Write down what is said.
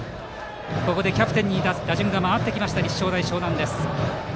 ここでキャプテンに打順が回った立正大淞南です。